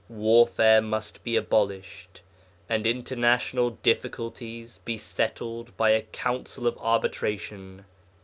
Warfare must be abolished, and international difficulties be settled by a Council of Arbitration.